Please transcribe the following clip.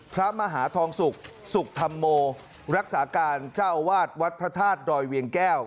พระมหาทองศุกร์สุขธรรมโมรักษาการเจ้าอาวาสวัดพระธาตุดอยเวียงแก้ว